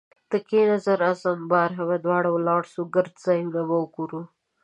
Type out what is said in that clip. ته کښینه زه راځم باره به دواړه ولاړسو ګرده ځایونه به وګورو